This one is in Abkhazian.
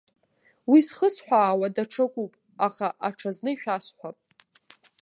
Уи зхысҳәаауа даҽакуп, аха аҽазны ишәасҳәап.